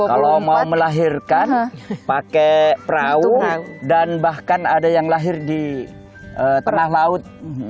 kalau mau melahirkan pakai perahu dan bahkan ada yang lahir di tengah laut